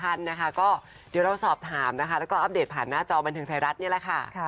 อันดับวิจัย